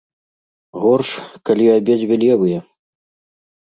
Горш, калі абедзве левыя.